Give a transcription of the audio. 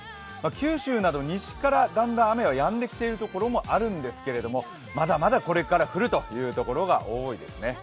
九州など西からだんだん雨はやんできているところもあるんですけれども、まだまだこれから降るというところが多いですね。